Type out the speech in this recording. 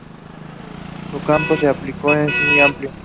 Su campo de aplicación es muy amplio.